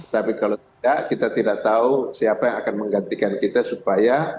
tapi kalau tidak kita tidak tahu siapa yang akan menggantikan kita supaya